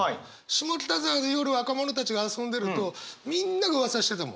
下北沢で夜若者たちが遊んでるとみんながうわさしてたもん。